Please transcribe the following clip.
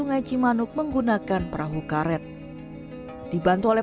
lajir bandang yang menerjang wilayah